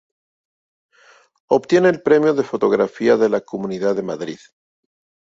Obtiene el Premio de Fotografía de la Comunidad de Madrid.